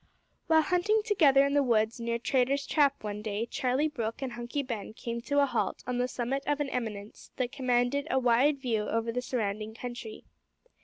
While hunting together in the woods near Traitor's Trap one day Charlie Brooke and Hunky Ben came to a halt on the summit of an eminence that commanded a wide view over the surrounding country.